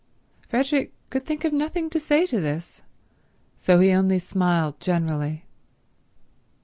Frederick could think of nothing to say to this, so he only smiled generally.